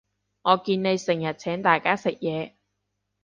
我見你成日請大家食嘢